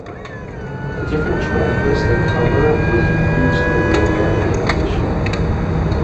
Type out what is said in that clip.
A different track list and cover was used for the American edition.